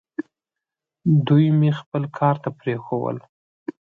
دوی مې خپل کار ته پرېښوول.